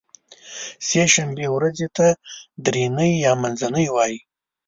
سې شنبې ورځې ته درینۍ یا منځنۍ وایی